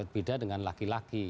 beda dengan laki laki